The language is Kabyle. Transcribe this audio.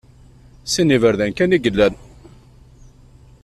Sin n iberdan kan i yellan.